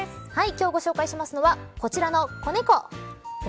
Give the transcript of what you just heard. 今日ご紹介しますのはこちらの子猫。